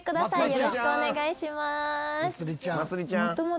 よろしくお願いします。